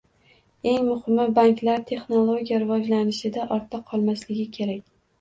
Eng muhimi, banklar texnologiya rivojlanishida ortda qolmasligi kerak